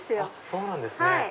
そうなんですね。